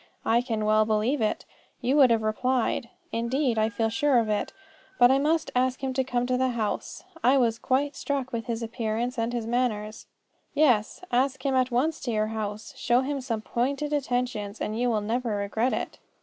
I can well believe it, you would have replied. Indeed, I felt sure of it. I must ask him to the house. I was quite struck with his appearance and his manners. Yes; ask him at once to your house; show him some pointed attentions and you will never regret it.